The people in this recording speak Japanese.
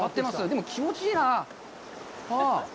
でも気持ちいいなあ。